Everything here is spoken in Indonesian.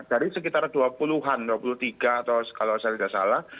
dari sekitar dua puluh an dua puluh tiga atau kalau saya tidak salah